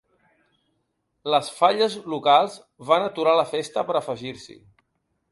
Les falles locals van aturar la festa per afegir-s’hi.